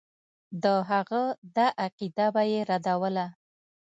د هغه دا عقیده به یې ردوله.